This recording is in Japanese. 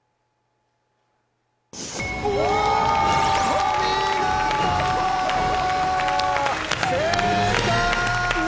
お見事！正解！